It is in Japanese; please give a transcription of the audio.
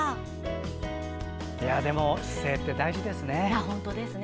でも、姿勢って大事ですね。